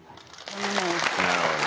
なるほど。